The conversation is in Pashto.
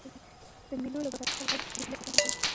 د مېلو له برکته خلک د خپل کلتوري هویت ساتنه کوي.